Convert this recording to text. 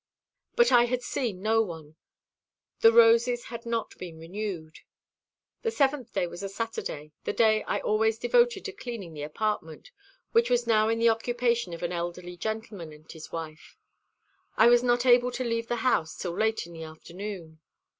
But I had seen no one: the roses had not been renewed. The seventh day was a Saturday, the day I always devoted to cleaning the apartment, which was now in the occupation of an elderly gentleman and his wife. I was not able to leave the house till late in the afternoon.